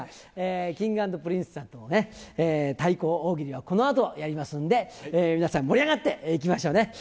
Ｋｉｎｇ＆Ｐｒｉｎｃｅさんとの対抗大喜利は、このあとやりますんで、皆さん、盛り上がっていきましょうね。